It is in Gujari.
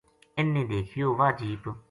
اِ ن نے دیکھیو واہ جیپ